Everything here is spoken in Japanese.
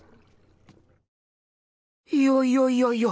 いやいやいやいや